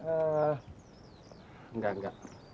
eh enggak enggak